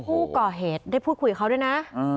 ผู้ก่อเหตุได้พูดคุยกับเขาด้วยนะ